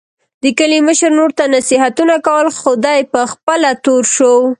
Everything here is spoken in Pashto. د کلي مشر نورو ته نصیحتونه کول، خو دی په خپله تور شو.